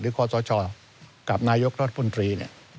หรือขอสชกับนายกรัฐพนตรี